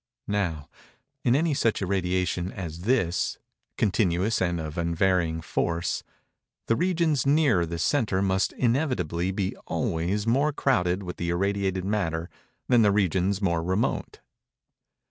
Now, in any such irradiation as this—continuous and of unvarying force—the regions nearer the centre must inevitably be always more crowded with the irradiated matter than the regions more remote.